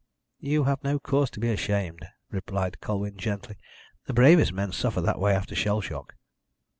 "You have no cause to be ashamed," replied Colwyn gently. "The bravest men suffer that way after shell shock."